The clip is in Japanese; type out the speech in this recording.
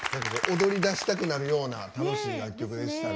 踊りだしたくなるような楽しい楽曲でしたね。